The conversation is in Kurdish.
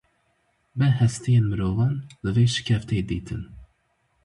Me hestiyên mirovan li vê şikeftê dîtin.